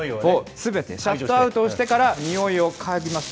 すべてシャットアウトしてからにおいを嗅ぎます。